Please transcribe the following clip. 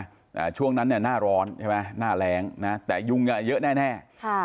อ่าช่วงนั้นเนี้ยหน้าร้อนใช่ไหมหน้าแรงนะแต่ยุงอ่ะเยอะแน่แน่ค่ะ